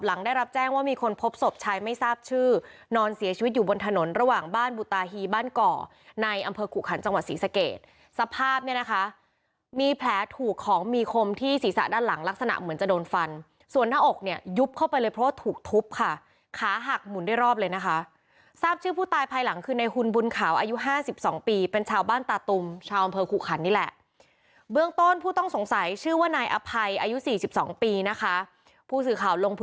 หลังได้รับแจ้งว่ามีคนพบศพชายไม่ทราบชื่อนอนเสียชีวิตอยู่บนถนนระหว่างบ้านบุตาฮีบ้านก่อในอำเภอขุขันจังหวัดศรีสะเกตสภาพเนี่ยนะคะมีแผลถูกของมีคมที่ศีรษะด้านหลังลักษณะเหมือนจะโดนฟันส่วนหน้าอกเนี่ยยุบเข้าไปเลยเพราะถูกทุบค่ะขาหักหมุนได้รอบเลยนะคะทราบชื่อผู้ตายภายหลัง